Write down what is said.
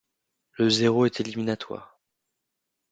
Le zéro est éliminatoire.